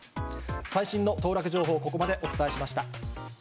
最新の当落情報、ここまでお伝えしました。